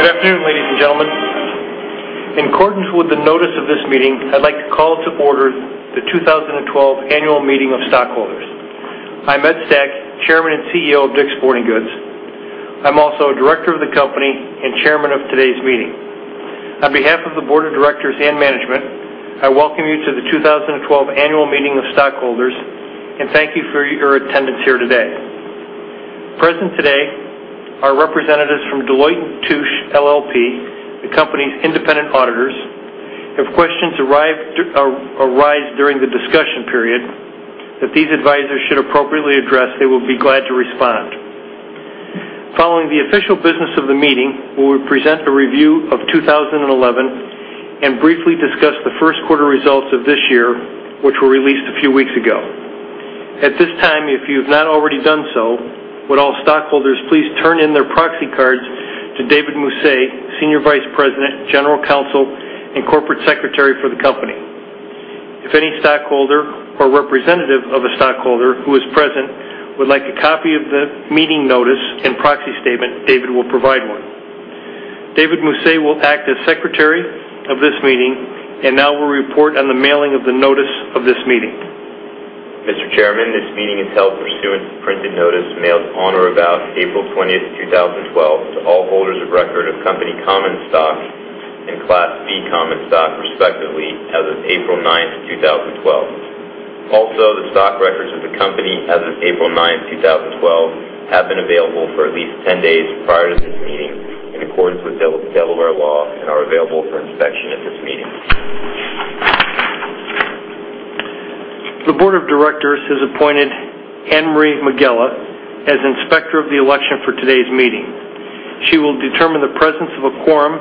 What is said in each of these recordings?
Good afternoon, ladies and gentlemen. In accordance with the notice of this meeting, I'd like to call to order the 2012 Annual Meeting of Stockholders. I'm Ed Stack, Chairman and CEO of DICK'S Sporting Goods. I'm also a director of the company and chairman of today's meeting. On behalf of the board of directors and management, I welcome you to the 2012 Annual Meeting of Stockholders, and thank you for your attendance here today. Present today are representatives from Deloitte & Touche LLP, the company's independent auditors. If questions arise during the discussion period that these advisors should appropriately address, they will be glad to respond. Following the official business of the meeting, we will present a review of 2011 and briefly discuss the first quarter results of this year, which were released a few weeks ago. At this time, if you have not already done so, would all stockholders please turn in their proxy cards to David Mussa, Senior Vice President, General Counsel, and Corporate Secretary for the company. If any stockholder or representative of a stockholder who is present would like a copy of the meeting notice and proxy statement, David will provide one. David Mussa will act as secretary of this meeting and now will report on the mailing of the notice of this meeting. Mr. Chairman, this meeting is held pursuant to printed notice mailed on or about April 20, 2012, to all holders of record of company common stock and Class B common stock, respectively, as of April 9, 2012. Also, the stock records of the company as of April 9, 2012, have been available for at least 10 days prior to this meeting in accordance with Delaware law and are available for inspection at this meeting. The board of directors has appointed Anne-Marie Megela as Inspector of the Election for today's meeting. She will determine the presence of a quorum,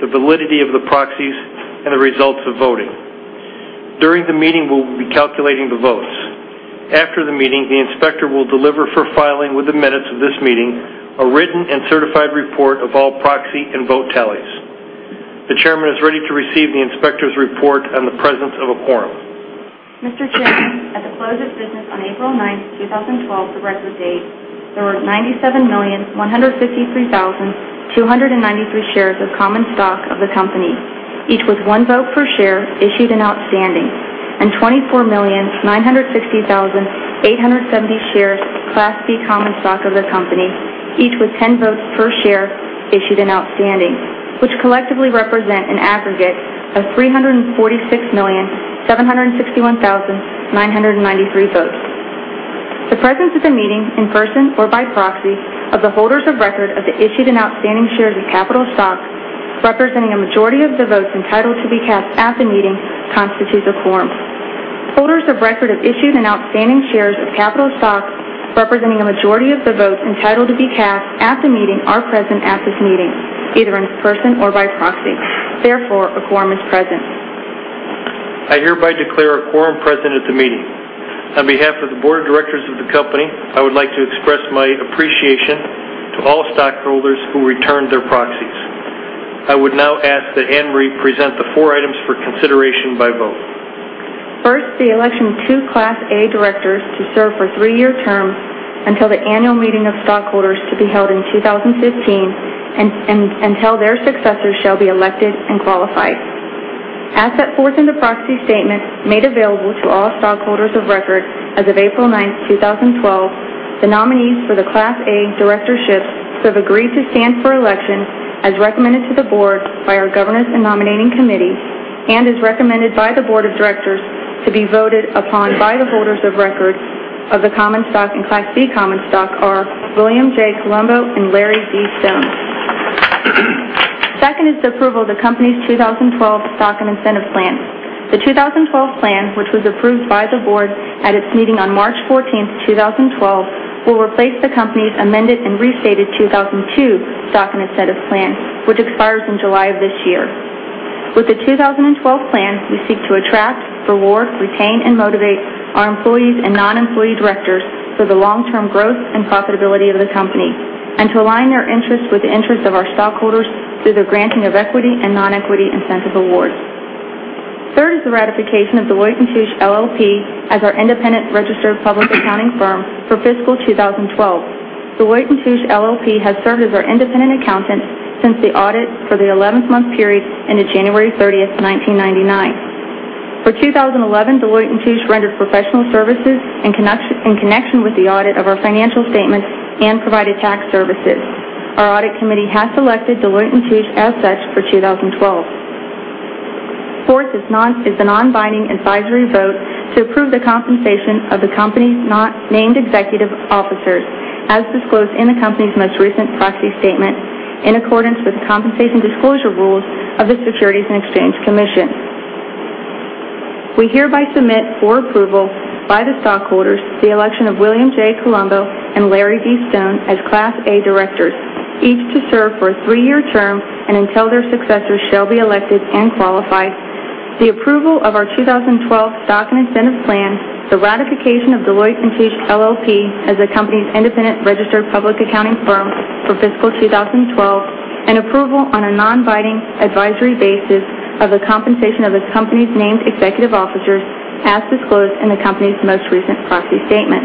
the validity of the proxies, and the results of voting. During the meeting, we will be calculating the votes. After the meeting, the Inspector will deliver for filing with the minutes of this meeting, a written and certified report of all proxy and vote tallies. The chairman is ready to receive the Inspector's report on the presence of a quorum. Mr. Chairman, at the close of business on April 9th, 2012, the record date, there were 97,153,293 shares of common stock of the company, each with one vote per share issued and outstanding, and 24,960,870 shares of Class B common stock of the company, each with 10 votes per share issued and outstanding, which collectively represent an aggregate of 346,761,993 votes. The presence at the meeting in person or by proxy of the holders of record of the issued and outstanding shares of capital stock, representing a majority of the votes entitled to be cast at the meeting, constitutes a quorum. Holders of record of issued and outstanding shares of capital stock representing a majority of the votes entitled to be cast at the meeting are present at this meeting, either in person or by proxy. Therefore, a quorum is present. I hereby declare a quorum present at the meeting. On behalf of the board of directors of the company, I would like to express my appreciation to all stockholders who returned their proxies. I would now ask that Anne-Marie present the four items for consideration by vote. First, the election of two Class A directors to serve for three-year terms until the annual meeting of stockholders to be held in 2015, until their successors shall be elected and qualified. As set forth in the proxy statement made available to all stockholders of record as of April 9th, 2012, the nominees for the Class A directorships who have agreed to stand for election as recommended to the board by our governance and nominating committee and as recommended by the board of directors to be voted upon by the holders of record of the common stock and Class B common stock are William J. Colombo and Larry D. Stone. Second is the approval of the company's 2012 Stock and Incentive Plan. The 2012 Plan, which was approved by the board at its meeting on March 14th, 2012, will replace the company's amended and restated 2002 Stock Incentive Plan, which expires in July of this year. With the 2012 Plan, we seek to attract, reward, retain, and motivate our employees and non-employee directors for the long-term growth and profitability of the company and to align their interests with the interests of our stockholders through the granting of equity and non-equity incentive awards. Third is the ratification of Deloitte & Touche LLP as our independent registered public accounting firm for fiscal 2012. Deloitte & Touche LLP has served as our independent accountant since the audit for the 11th-month period ended January 30th, 1999. For 2011, Deloitte & Touche rendered professional services in connection with the audit of our financial statements and provided tax services. Our audit committee has selected Deloitte & Touche as such for 2012. Fourth is the non-binding advisory vote to approve the compensation of the company's named executive officers, as disclosed in the company's most recent proxy statement, in accordance with compensation disclosure rules of the Securities and Exchange Commission. We hereby submit for approval by the stockholders the election of William J. Colombo and Larry D. Stone as Class A directors, each to serve for a three-year term and until their successors shall be elected and qualified. The approval of our 2012 Stock and Incentive Plan, the ratification of Deloitte & Touche LLP as the company's independent registered public accounting firm for fiscal 2012, and approval on a non-binding advisory basis of the compensation of the company's named executive officers as disclosed in the company's most recent proxy statement.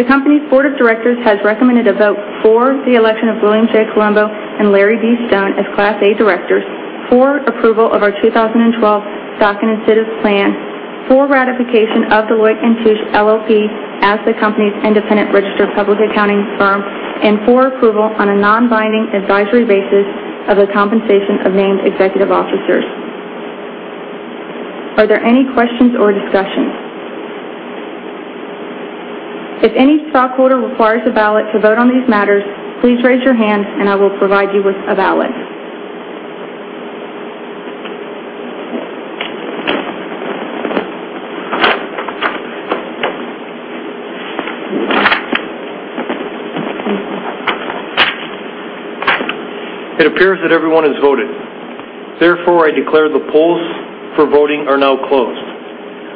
The company's board of directors has recommended a vote for the election of William J. Colombo and Larry D. Stone as Class A directors for approval of our 2012 Stock and Incentive Plan, for ratification of Deloitte & Touche LLP as the company's independent registered public accounting firm, and for approval on a non-binding advisory basis of the compensation of named executive officers. Are there any questions or discussions? If any stockholder requires a ballot to vote on these matters, please raise your hand and I will provide you with a ballot. It appears that everyone has voted. Therefore, I declare the polls for voting are now closed.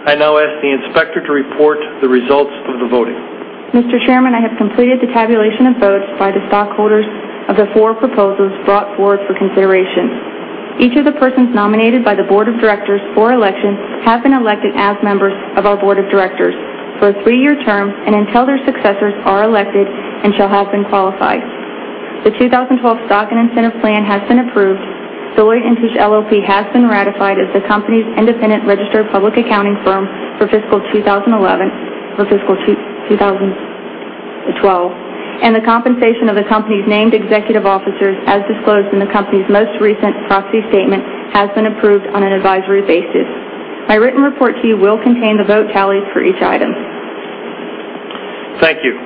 I now ask the inspector to report the results of the voting. Mr. Chairman, I have completed the tabulation of votes by the stockholders of the four proposals brought forward for consideration. Each of the persons nominated by the board of directors for election has been elected as members of our board of directors for a three-year term and until their successors are elected and shall have been qualified. The 2012 Stock and Incentive Plan has been approved. Deloitte & Touche LLP has been ratified as the company's independent registered public accounting firm for fiscal 2012, and the compensation of the company's named executive officers, as disclosed in the company's most recent proxy statement, has been approved on an advisory basis. My written report to you will contain the vote tallies for each item. Thank you.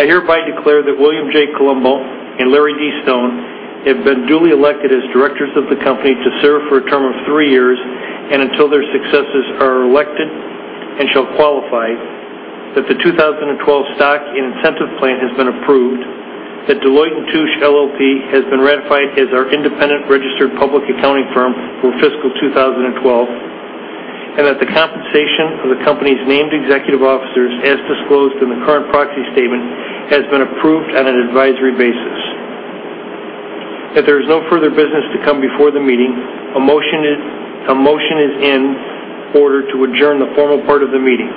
I hereby declare that William J. Colombo and Larry D. Stone have been duly elected as directors of the company to serve for a term of three years and until their successors are elected and shall qualify, that the 2012 Stock and Incentive Plan has been approved, that Deloitte & Touche LLP has been ratified as our independent registered public accounting firm for fiscal 2012, that the compensation of the company's named executive officers, as disclosed in the current proxy statement, has been approved on an advisory basis. If there is no further business to come before the meeting, a motion is in order to adjourn the formal part of the meeting.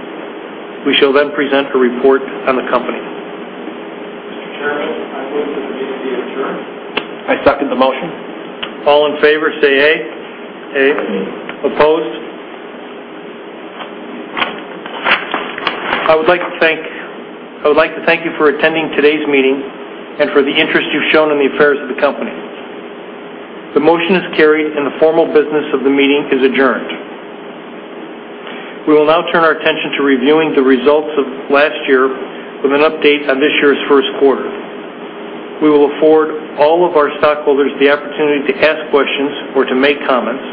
We shall then present a report on the company. Mr. Chairman, I move that the meeting be adjourned. I second the motion. All in favor say, "Aye." Aye. Aye. Opposed? I would like to thank you for attending today's meeting and for the interest you've shown in the affairs of the company. The motion is carried and the formal business of the meeting is adjourned. We will now turn our attention to reviewing the results of last year with an update on this year's first quarter. We will afford all of our stockholders the opportunity to ask questions or to make comments.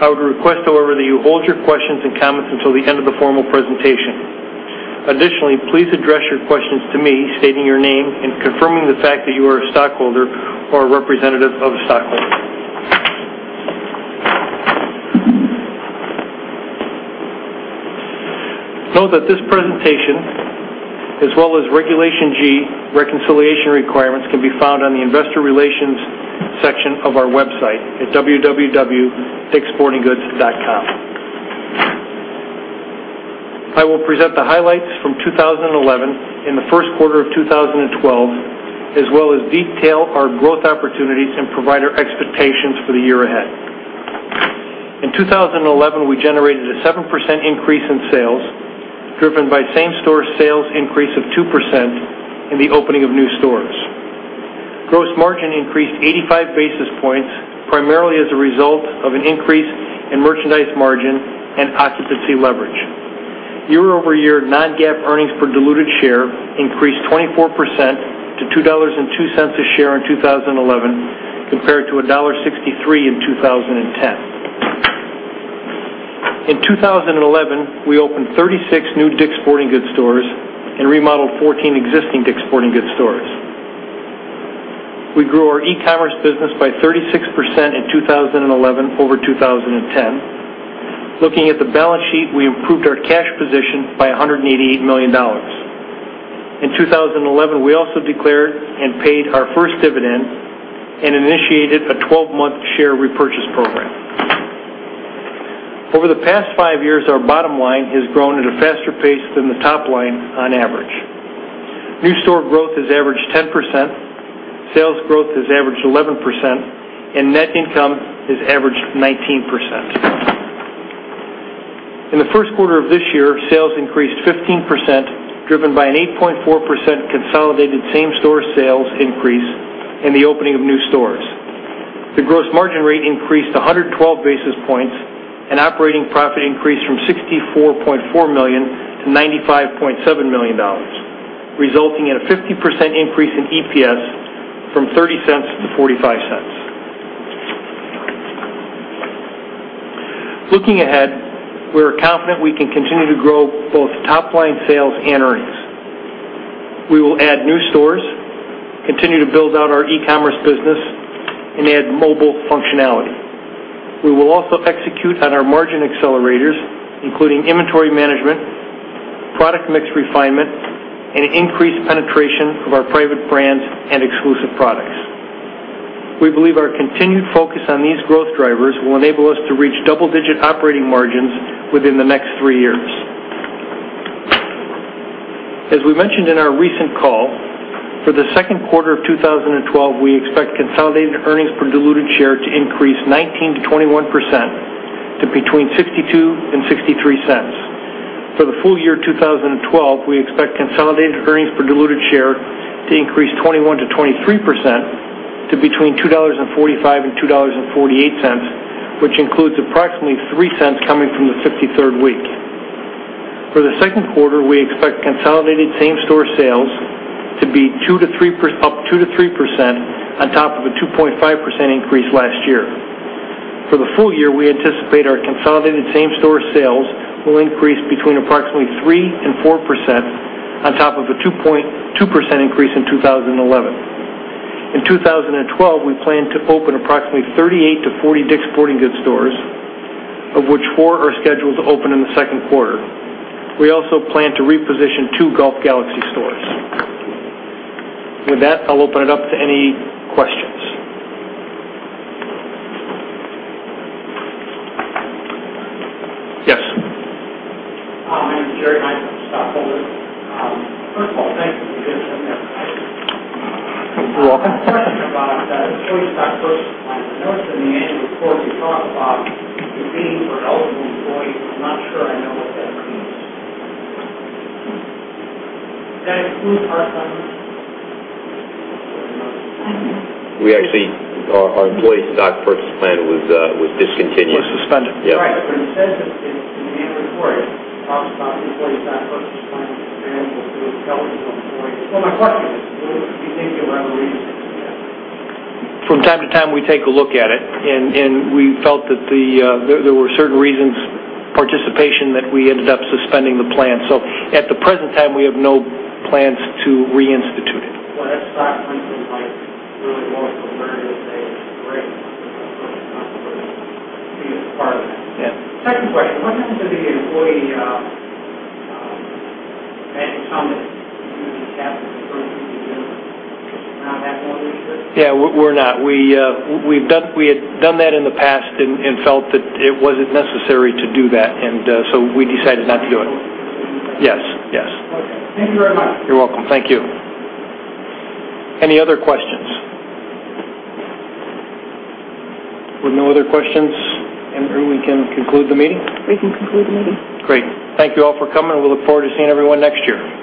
I would request, however, that you hold your questions and comments until the end of the formal presentation. Additionally, please address your questions to me, stating your name and confirming the fact that you are a stockholder or a representative of a stockholder. Know that this presentation, as well as Regulation G reconciliation requirements, can be found on the investor relations section of our website at www.dickssportinggoods.com. I will present the highlights from 2011 and the first quarter of 2012, as well as detail our growth opportunities and provide our expectations for the year ahead. In 2011, we generated a 7% increase in sales, driven by same-store sales increase of 2% and the opening of new stores. Gross margin increased 85 basis points, primarily as a result of an increase in merchandise margin and occupancy leverage. Year-over-year non-GAAP earnings per diluted share increased 24% to $2.02 a share in 2011, compared to $1.63 in 2010. In 2011, we opened 36 new DICK'S Sporting Goods stores and remodeled 14 existing DICK'S Sporting Goods stores. We grew our e-commerce business by 36% in 2011 over 2010. Looking at the balance sheet, we improved our cash position by $188 million. In 2011, we also declared and paid our first dividend and initiated a 12-month share repurchase program. Over the past five years, our bottom line has grown at a faster pace than the top line on average. New store growth has averaged 10%, sales growth has averaged 11%, and net income has averaged 19%. In the first quarter of this year, sales increased 15%, driven by an 8.4% consolidated same-store sales increase and the opening of new stores. The gross margin rate increased 112 basis points and operating profit increased from $64.4 million to $95.7 million, resulting in a 50% increase in EPS from $0.30 to $0.45. Looking ahead, we're confident we can continue to grow both top-line sales and earnings. We will add new stores, continue to build out our e-commerce business, and add mobile functionality. We will also execute on our margin accelerators, including inventory management, product mix refinement, and increased penetration of our private brands and exclusive products. We believe our continued focus on these growth drivers will enable us to reach double-digit operating margins within the next three years. As we mentioned in our recent call, for the second quarter of 2012, we expect consolidated earnings per diluted share to increase 19% to 21%, to between $0.62 and $0.63. For the full year 2012, we expect consolidated earnings per diluted share to increase 21% to 23%, to between $2.45 and $2.48, which includes approximately $0.03 coming from the 53rd week. For the second quarter, we expect consolidated same-store sales to be up 2%-3%, on top of a 2.5% increase last year. For the full year, we anticipate our consolidated same-store sales will increase between approximately 3% and 4% on top of a 2% increase in 2011. In 2012, we plan to open approximately 38 to 40 DICK'S Sporting Goods stores, of which four are scheduled to open in the second quarter. We also plan to reposition two Golf Galaxy stores. With that, I'll open it up to any questions. Yes. My name is Jerry. I'm a stockholder. First of all, thank you for the good dinner. You're welcome. A question about employee stock purchase plan. I noticed in the annual report you talk about it being for eligible employees. I'm not sure I know what that means. Does that include part-timers? We actually, our employees stock purchase plan was discontinued. Was suspended. Yep. Right. It says that in the annual report, it talks about employee stock purchase plan is available to eligible employees. My question is, will you be thinking about reinstating that? From time to time, we take a look at it, we felt that there were certain reasons, participation that we ended up suspending the plan. At the present time, we have no plans to reinstitute it. Well, that stock went from, like, really low to where it is today, which is great. Of course, I'm not going to be a part of that. Yeah. Second question, what happened to the employee match comment? You would be matching the first $50. You're not doing that anymore this year? Yeah, we're not. We had done that in the past and felt that it wasn't necessary to do that, and so we decided not to do it. You're not doing it this year? Yes. Okay. Thank you very much. You're welcome. Thank you. Any other questions? With no other questions, Andrew, we can conclude the meeting? We can conclude the meeting. Great. Thank you all for coming, and we look forward to seeing everyone next year.